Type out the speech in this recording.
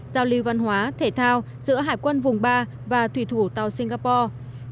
giao lưu văn hóa thể thao giữa hải quân vùng ba và thủy thủ tàu singapore